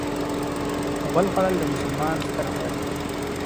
غول خوړل د مسلمان ستر عیب دی.